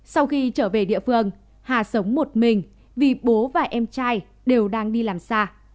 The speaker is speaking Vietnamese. sau khi trở về địa phương hà sống một mình vì bố và em trai đều đang đi làm xa